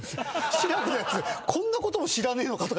「志らくのやつこんなことも知らねえのか」